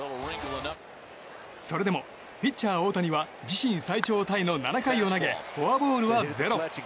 それでもピッチャー大谷は自身最長タイの７回を投げフォアボールは０。